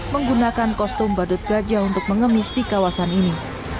menggunakan kostum badut gajah untuk mengemis di kawasan ini